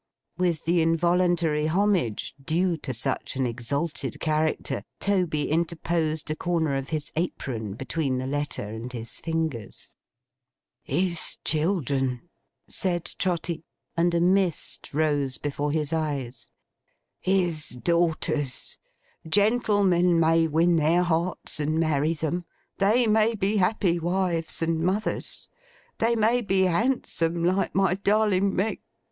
With the involuntary homage due to such an exalted character, Toby interposed a corner of his apron between the letter and his fingers. 'His children,' said Trotty, and a mist rose before his eyes; 'his daughters—Gentlemen may win their hearts and marry them; they may be happy wives and mothers; they may be handsome like my darling M e '.